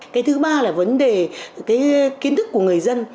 cái thứ ba là vấn đề kiến thức của người dân